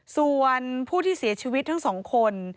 ส่วนผู้ที่เสียชีวิตทั้งสองคน